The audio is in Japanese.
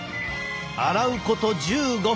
洗うこと１５分。